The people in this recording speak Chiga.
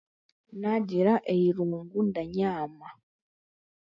Naagire eirungu, ndanyaama.